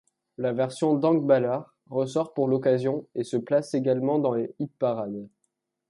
La version d'Hank Ballard ressort pour l'occasion et se place également dans les hit-parades.